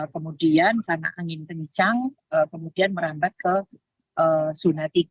kemudian karena angin kencang kemudian merambat ke zona tiga